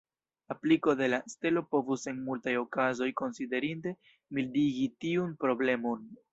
Apliko de la stelo povus en multaj okazoj konsiderinde mildigi tiun problemon.